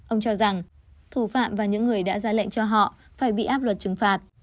ông cho rằng thủ phạm và những người đã ra lệnh cho họ phải bị áp luật trừng phạt